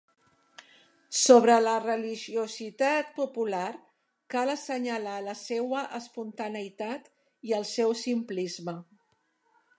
Sobre la religiositat popular cal assenyalar la seua espontaneïtat i el seu simplisme.